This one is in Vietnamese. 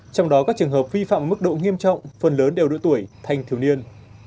trong đó các trường hợp vi phạm mức độ nghiêm trọng phần lớn đều đổi tuổi thành thiếu niên